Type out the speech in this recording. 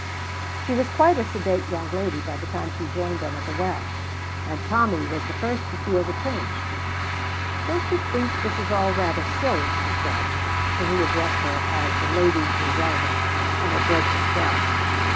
She was quite a sedate young lady by the time she joined them at the well, and Tommy was the first to feel the change. "Don't you think this is all rather silly?" she said, when he addressed her as the Lady Griselda, and it broke the spell.